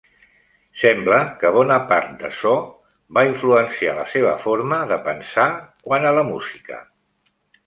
Sembla que bona part d'açò va influenciar la seva forma de pensar quant a la música.